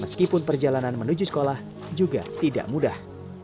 meskipun perjalanan menuju sekolah juga tidak mudah